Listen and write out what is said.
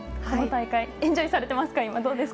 今大会、エンジョイされてますか。